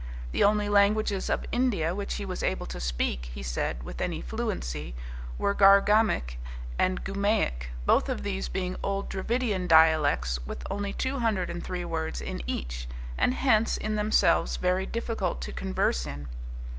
The only languages of India which he was able to speak, he said, with any fluency were Gargamic and Gumaic both of these being old Dravidian dialects with only two hundred and three words in each, and hence in themselves very difficult to converse in.